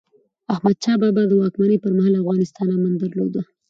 د احمد شاه بابا د واکمنۍ پرمهال، افغانستان امن درلود.